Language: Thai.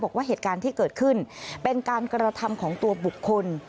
บอกว่าเหตุการณ์ที่เกิดขึ้นเป็นการกระทำของตัวบุคคล